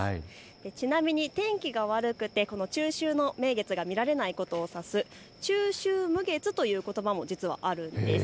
ちなみに天気が悪くて中秋の名月が見られないことを指す中秋無月ということばも実はあるんです。